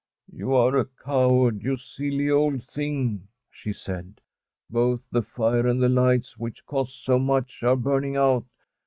* You are a coward, you silly old thing,' she said. ' Both the fire and the lights, which cost so much, are burning out.